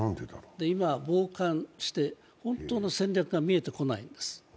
今傍観して本当の戦略が見えてこないんです。